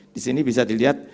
di sini bisa dilihat